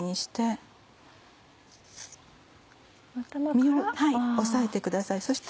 身を押さえてください。